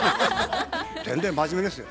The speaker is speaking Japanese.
全然真面目ですよ。